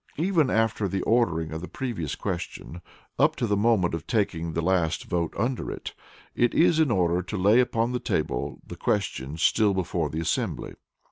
Even after the ordering of the Previous Question up to the moment of taking the last vote under it, it is in order to lay upon the table the questions still before the assembly.